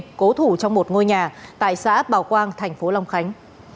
khống chế con tin cố thủ trong một ngôi nhà tại xã bảo quang thành phố long khánh